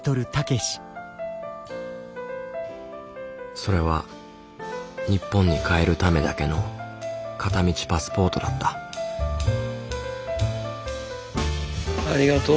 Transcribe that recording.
それは日本に帰るためだけの片道パスポートだったありがとう。